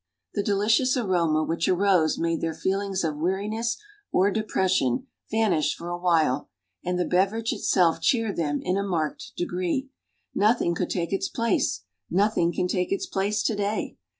The delicious aroma which arose made their feelings of weariness or depression vanish for a while, and the beverage itself cheered them in a marked degree. Nothing could take its place; nothing can take its place to day.